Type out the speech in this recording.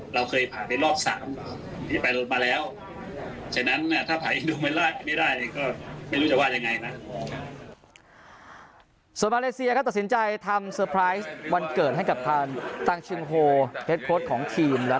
เราเคยผ่านไปรอบสามไปมาแล้ว